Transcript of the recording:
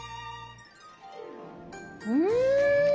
うん！